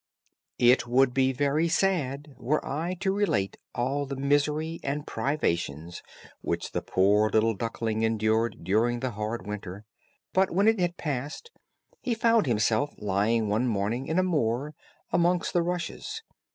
It would be very sad, were I to relate all the misery and privations which the poor little duckling endured during the hard winter; but when it had passed, he found himself lying one morning in a moor, amongst the rushes.